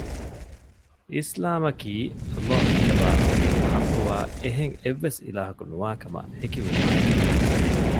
އިސްލާމަކީ، ﷲ ފިޔަވައި އަޅުކަން ޙައްޤުވާ އެހެން އެއްވެސް އިލާހަކު ނުވާ ކަމަށް ހެކިވުމާއި